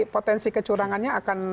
potensi kecurangannya akan